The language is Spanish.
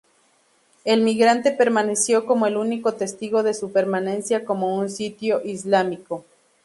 El minarete permaneció como el único testigo de su permanencia como un sitio islámico.